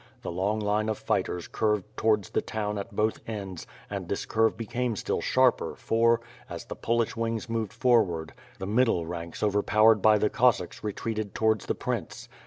The long line of fighters curved towards the town at both ends and this curve became still sharper for, as the Polish wings moved fon^^ard, the middle ranks overpowered by the Cossacks retreated to words the prince.